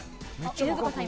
犬塚さん